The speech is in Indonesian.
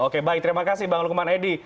oke baik terima kasih bang lukman edi